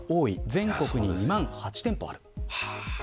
全国２万８店舗ある。